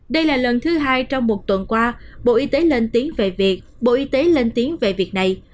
đây là lần thứ hai trong một tuần qua bộ y tế lên tiếng về việc bộ y tế lên tiếng về việc này